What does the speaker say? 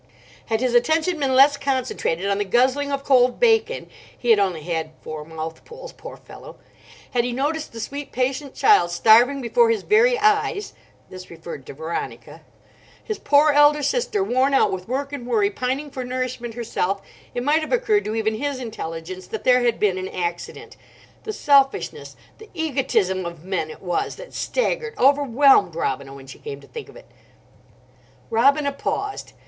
Had his attention been less concentrated on the guzzling of cold bacon (he had only had four mouthfuls, poor fellow)—had he noticed the sweet patient child starving before his very eyes (this referred to Veronica)—his poor elder sister, worn out with work and worry, pining for nourishment herself, it might have occurred to even his intelligence that there had been an accident. The selfishness, the egotism of men it was that staggered, overwhelmed Robina, when she came to think of it. Robina paused.